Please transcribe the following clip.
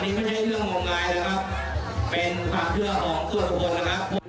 นี่ไม่ใช่เรื่องงมงายนะครับเป็นความเชื่อของทุกคนนะครับ